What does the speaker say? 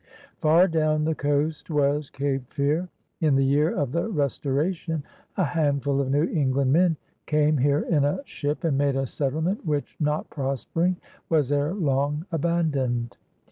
Far down the coast was Cape Fear. In the year of the Restoration a handful of New England men came here in a ship and made a settlement which, not prospering, was ere long abandoned.